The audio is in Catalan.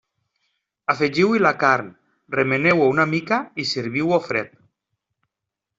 Afegiu-hi la carn, remeneu-ho una mica i serviu-ho fred.